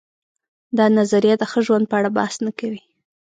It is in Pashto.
دا نظریه د ښه ژوند په اړه بحث نه کوي.